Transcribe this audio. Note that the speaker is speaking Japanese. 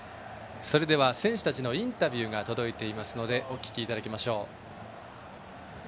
それでは、選手たちのインタビューが届いていますのでお聞きいただきましょう。